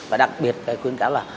và đặc biệt khuyến cáo là